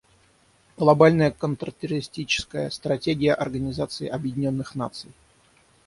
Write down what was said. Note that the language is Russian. Глобальная контртеррористическая стратегия Организации Объединенных Наций.